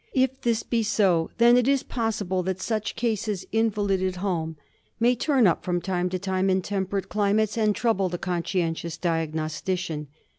If this be so, then it is possible that such cases invalided l88 LEPROTIC FEVER. home may turn up from time to time in temperate climates, and trouble the conscientious diagnostician.